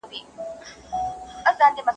هغوی په پخوا وختونو کې یووالی درلود.